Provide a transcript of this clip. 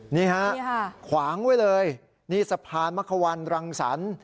นี่ฮะขวางไว้เลยนี่สะพานมะควันรังสรรค์